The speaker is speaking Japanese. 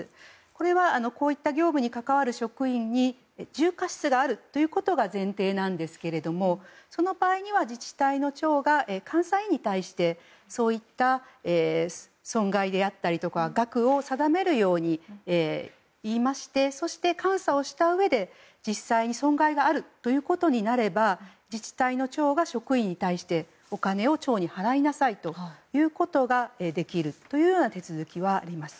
これはこういった業務に関わる職員に重過失があるということが前提なんですがその場合には自治体の長監査委員に対して損害であったりとか額を定めるように言いましてそして、監査をしたうえで実際に損害があるということになれば自治体の長が職員に対してお金を長に払いなさいということができるというような手続きはあります。